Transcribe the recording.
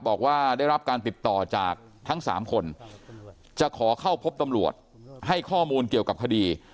บอกว่าได้รับการติดต่อจากทั้ง๓คนจะขอเข้าพบตำรวจให้ข้อมูลเกี่ยวกับคดี